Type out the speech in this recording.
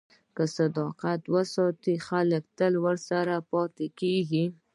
که صداقت وساتې، خلک تل درسره پاتې کېږي.